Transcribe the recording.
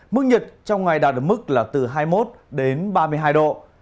mức nhật trong ngày đạt được mức là từ hai mươi một đến ba mươi hai độ